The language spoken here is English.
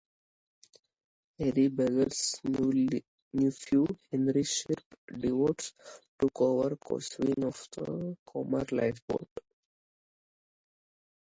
Henry Blogg's nephew Henry "Shrimp" Davies took over as coxswain of the Cromer Lifeboat.